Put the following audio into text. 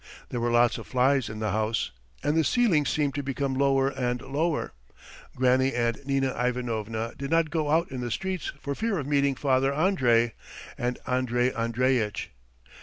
There were lots of flies in the house, and the ceilings seemed to become lower and lower. Granny and Nina Ivanovna did not go out in the streets for fear of meeting Father Andrey and Andrey Andreitch.